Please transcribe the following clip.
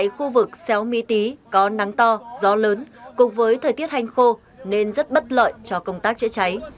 tại khu vực xéo mỹ tí có nắng to gió lớn cùng với thời tiết hành khô nên rất bất lợi cho công tác chữa cháy